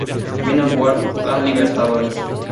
Vino a jugar la Libertadores.